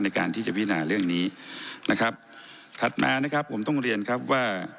ในการที่จะพินาเรื่องนี้นะครับถัดมานะครับผมต้องเรียนครับว่า